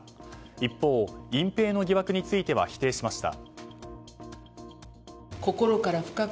一方、隠ぺいの疑惑については否定しました。